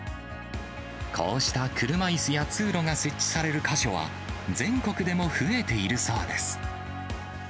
こうした車いすや通路が設置される箇所は、全国でも増えているそうです。